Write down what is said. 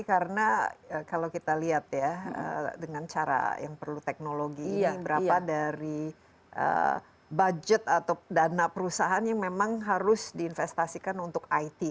karena kalau kita lihat ya dengan cara yang perlu teknologi ini berapa dari budget atau dana perusahaan yang memang harus diinvestasikan untuk it